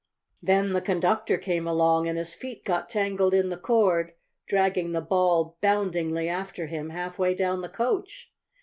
Then the conductor came along and his feet got tangled in the cord, dragging the ball boundingly after him halfway down the coach.